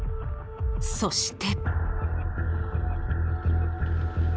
［そして］